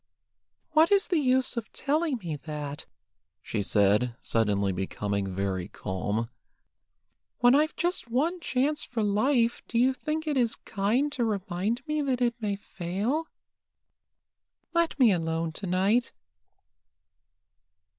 "What is the use of telling me that ?" she said, suddenly becoming very calm. "When I've just one chance for life, do you think it is kind to remind me that it may fail? Let me alone to night."